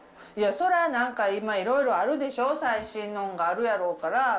そりゃなんか、今、いろいろあるでしょう、最新のがあるやろうから。